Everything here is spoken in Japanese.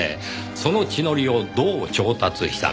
その血のりをどう調達したか。